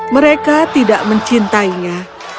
mereka tidak mencintainya